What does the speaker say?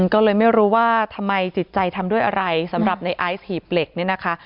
ก็เลยไม่รู้ว่าทำไมจิตใจทำด้วยอะไรสำหรับในไอซ์หีบเหล็กเนี่ยนะคะ